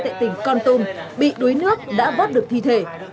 hai tại tỉnh kon tum bị đuối nước đã vót được thi thể